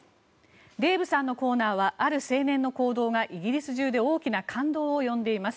デーブさんのコーナーはある青年の行動がイギリス中で大きな感動を呼んでいます。